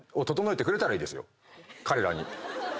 彼らに。